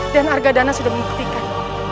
dan argadana sudah membuktikan